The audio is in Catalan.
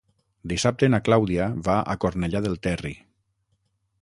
Dissabte na Clàudia va a Cornellà del Terri.